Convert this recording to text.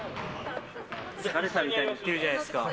疲れたみたいに言ってるじゃないですか。